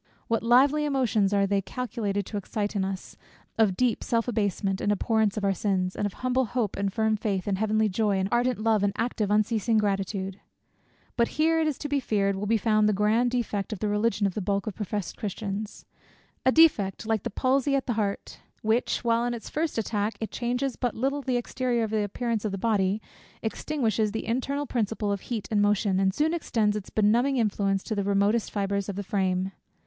What lively emotions are they calculated to excite in us of deep self abasement, and abhorrence of our sins; and of humble hope, and firm faith, and heavenly joy, and ardent love, and active unceasing gratitude! But here, it is to be feared, will be found the grand defect of the religion of the bulk of professed Christians; a defect, like the palsy at the heart, which, while in its first attack, it changes but little the exterior appearance of the body, extinguishes the internal principle of heat and motion, and soon extends its benumbing influence to the remotest fibres of the frame.